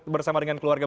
bersama dengan keluarga